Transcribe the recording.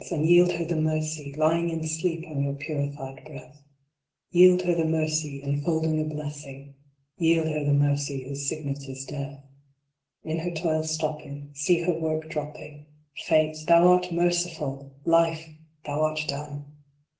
and yield her the mercy Lying in sleep on your purified breath ; Yield her the mercy, enfolding a blessing, Yield her the mercy whose signet is Death. 26 WORKING AND WAITING. In her toil stopping, See her work dropping Fate, thou art merciful ! Life, thou art done